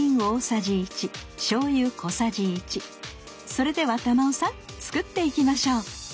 それでは珠緒さん作っていきましょう